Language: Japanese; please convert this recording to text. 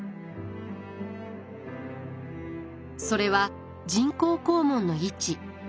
それは人工肛門の位置。